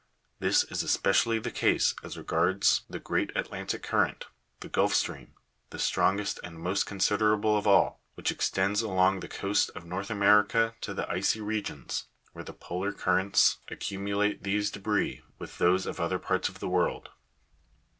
This is especially the case as regards the great Atlantic current, the Gulf Stream, the strongest and most considerable of all, which extends along the coast of North America to the icy regions, where the polar currents accumulate these debris with those of other parts of the world.